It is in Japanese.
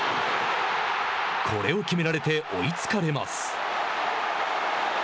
これを決められて追いつかれます。